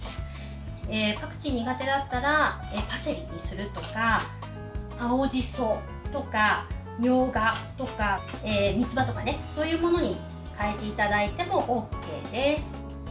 パクチー苦手だったらパセリにするとか、青じそとかみょうがとか、三つ葉とかそういうものに変えていただいてもＯＫです。